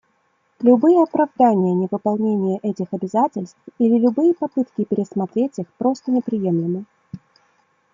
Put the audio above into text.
Любые оправдания невыполнения этих обязательств или любые попытки пересмотреть их просто неприемлемы.